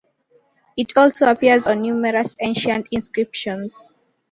It also appears on numerous ancient inscriptions.